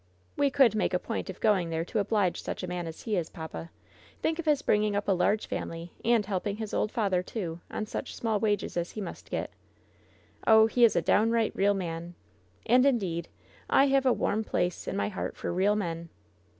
"We could make a point of going there to oblige such a man as he is, papa. Think of his bringing up a large family and helping his old father, too, on such small wages as he must get. Oh, he is a downright real man. And, indeed, I have a warm place in my heart for real men."